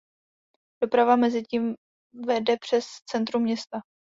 Doprava mezitím vede přes centrum města.